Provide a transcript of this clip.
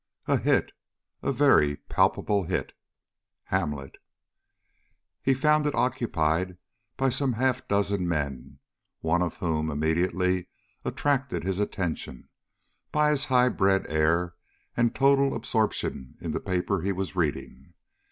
A hit, a very palpable hit. HAMLET. HE found it occupied by some half dozen men, one of whom immediately attracted his attention, by his high bred air and total absorption in the paper he was reading.